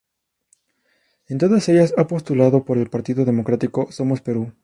En todas ellas ha postulado por el Partido Democrático Somos Perú.